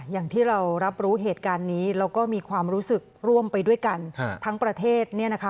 อย่างที่เรารับรู้เหตุการณ์นี้แล้วก็มีความรู้สึกร่วมไปด้วยกันทั้งประเทศ